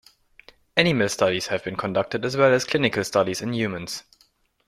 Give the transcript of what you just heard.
Animal studies have been conducted as well as clinical studies in humans.